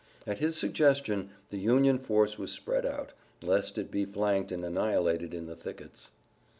At his suggestion the Union force was spread out, lest it be flanked and annihilated in the thickets.